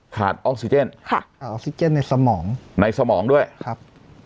ออกซิเจนค่ะออกซิเจนในสมองในสมองด้วยครับ